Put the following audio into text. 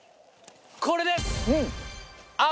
これです！